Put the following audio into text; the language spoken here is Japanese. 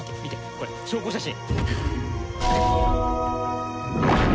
これ証拠写真。